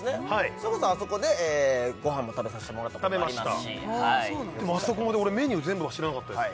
それこそあそこでご飯も食べさせてもらったこともありますしでもあそこまで俺メニュー全部は知らなかったです